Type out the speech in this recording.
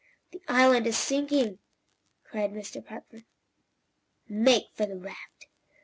"The island is sinking!" cried Mr. Parker. "Make for the raft!"